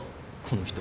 この人。